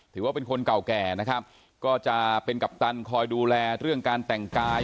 ถือว่าเป็นคนเก่าแก่นะครับก็จะเป็นกัปตันคอยดูแลเรื่องการแต่งกาย